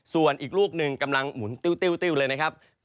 ส่วนอีกลูกหนึ่งกำลังหมุนติ้วเลยนะครับ